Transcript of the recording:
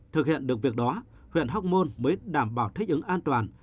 thực hiện được việc đó huyện hóc môn mới đảm bảo thích ứng an toàn